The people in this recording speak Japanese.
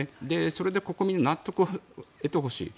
それで国民の納得を得てほしい。